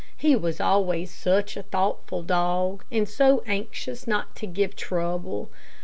He was always such a thoughtful dog, and so anxious not to give trouble.